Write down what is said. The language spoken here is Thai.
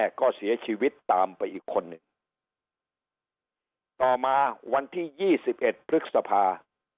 ก็เสียชีวิตตามไปอีกคนหนึ่งต่อมาวันที่ยี่สิบเอ็ดพฤษภา